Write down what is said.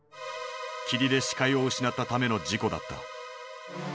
霧で視界を失ったための事故だった。